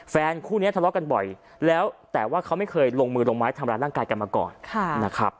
คู่นี้ทะเลาะกันบ่อยแล้วแต่ว่าเขาไม่เคยลงมือลงไม้ทำร้ายร่างกายกันมาก่อนนะครับ